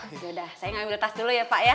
yaudah saya ngambil tas dulu ya pak